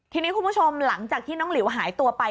ทีนี้คุณผู้ชมหลังจากที่น้องหลิวหายตัวไป